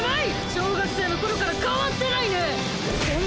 小学生のころから変わってないねぇ！